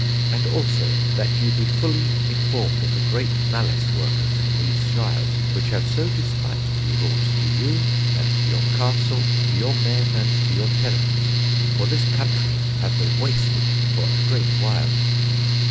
And also that ye be fully informed of the great malice workers in these shires which have so despitefully wrought to you, and to your Castle, to your men and to your tenants; for this country have they wasted for a great while.